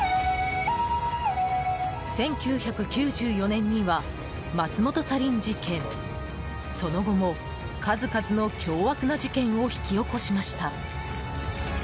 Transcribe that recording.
１９９４年には松本サリン事件その後も、数々の凶悪な事件を引き起こしました。